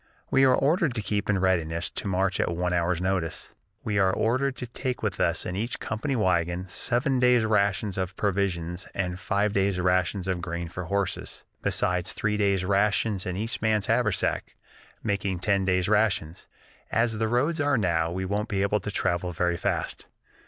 We are ordered to keep in readiness to march at one hour's notice. We are also ordered to take with us in each company wagon seven days' rations of provisions and five days' rations of grain for horses, besides three days' rations in each man's haversack, making ten days' rations. As the roads are now, we won't be able to travel very fast.